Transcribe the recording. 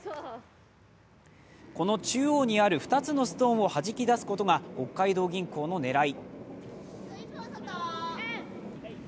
この中央にある２つのストーンをはじき出すことが北海道銀行の狙い。